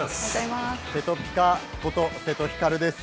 せとぴかこと瀬戸光です。